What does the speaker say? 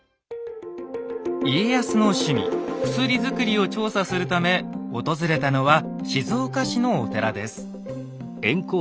家康の趣味「薬づくり」を調査するため訪れたのは静岡市のお寺です。